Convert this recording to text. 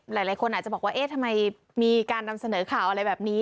หลายคนอาจจะบอกว่าเอ๊ะทำไมมีการนำเสนอข่าวอะไรแบบนี้